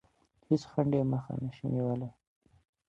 هیڅ خنډ یې مخه نه شي نیولی.